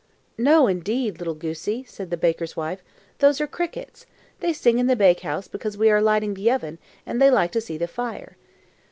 "No, indeed, little goosey!" said the baker's wife; "those are crickets. They sing in the bake house because we are lighting the oven, and they like to see the fire."